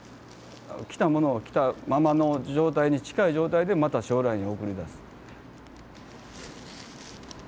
来たものを来たままの状態に近い状態でまた将来に送り出す。